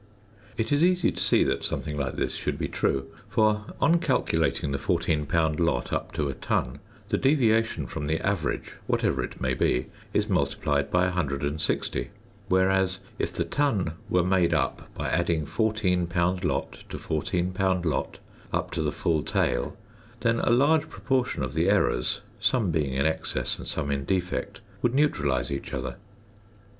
It is easy to see that something like this should be true; for on calculating the 14 lb. lot up to a ton, the deviation from the average, whatever it may be, is multiplied by 160; whereas, if the ton were made up by adding 14 lb. lot to 14 lb. lot, up to the full tale, then a large proportion of the errors (some being in excess and some in defect) would neutralise each other.